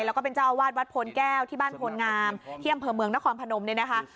แล้วก็เป็นเจ้าอาวาสวัดโพนแก้วที่บ้านโพลงามที่อำเภอเมืองนครพนมเนี่ยนะคะ